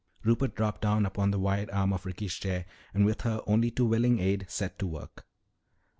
Rupert dropped down upon the wide arm of Ricky's chair and with her only too willing aid set to work.